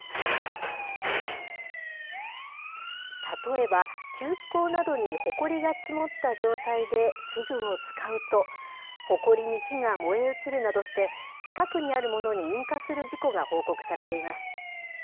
例えば、吸気口などにほこりが積もった状態で器具を使うと、ほこりに火が燃え移るなどして、近くにあるものに引火する事故が報告されています。